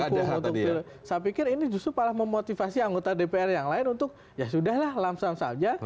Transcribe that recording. saya pikir ini justru malah memotivasi anggota dpr yang lain untuk ya sudah lah lamsam saja